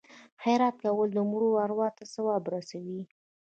خیرات کول د مړو ارواو ته ثواب رسوي.